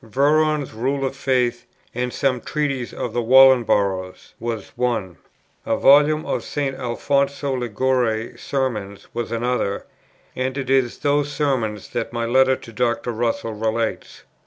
Veron's Rule of Faith and some Treatises of the Wallenburghs was one; a volume of St. Alfonso Liguori's Sermons was another; and it is to those Sermons that my letter to Dr. Russell relates.